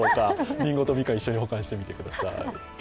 りんごとみかん、一緒に保管してみてください。